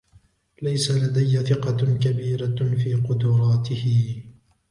ليس لدي ثقة كبيرة في قدراته.